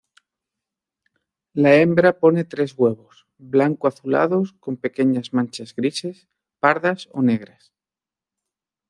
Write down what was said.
La hembra pone tres huevos blanco-azulados con pequeñas manchas grises, pardas o negras.